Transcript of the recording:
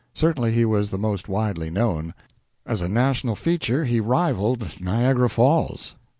Certainly he was the most widely known. As a national feature he rivaled Niagara Falls.